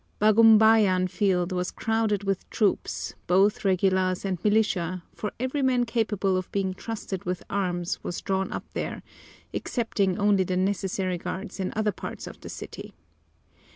Bagumbayan Field was crowded with troops, both regulars and militia, for every man capable of being trusted with arms was drawn up there, excepting only the necessary guards in other parts of the city.